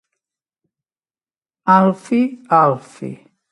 Al fi, al fi.